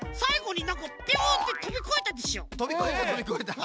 とびこえたとびこえた！